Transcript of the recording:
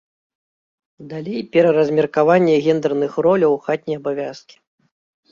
Далей, пераразмеркаванне гендэрных роляў, хатнія абавязкі.